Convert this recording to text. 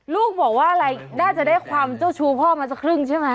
ลูกบอกว่าอะไรน่าจะได้ความเจ้าชู้พ่อมาสักครึ่งใช่ไหม